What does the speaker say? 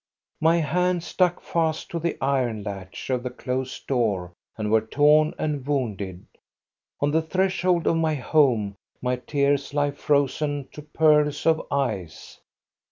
My hands stuck fast to the iron latch of the closed door and were torn and wounded ; on the threshold of my home my tears lie frozen to pearls of ice.